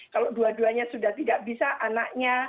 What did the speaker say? kalau dua duanya sudah tidak bisa anaknya